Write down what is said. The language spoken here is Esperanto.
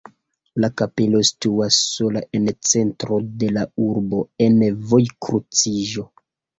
La kapelo situas sola en centro de la urbo en vojkruciĝo.